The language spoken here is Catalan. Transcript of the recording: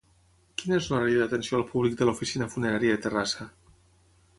Quin és l'horari d'atenció al públic de l'oficina funerària de Terrassa?